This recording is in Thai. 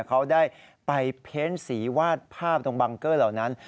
เขาได้ไปเพ้นสีวาดภาพตรงบังเกอร์เหล่านั้น